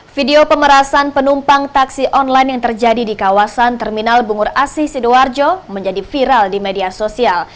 video pemerasan penumpang taksi online yang terjadi di kawasan terminal bungur asih sidoarjo menjadi viral di media sosial